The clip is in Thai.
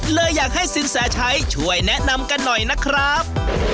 เลยอยากให้สินแสชัยช่วยแนะนำกันหน่อยนะครับ